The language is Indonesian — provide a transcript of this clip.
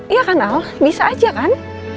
iya kan al bisa aja kan